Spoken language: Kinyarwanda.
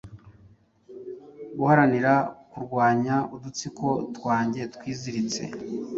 Guharanira kurwanya udutsiko twanjye twiziritse,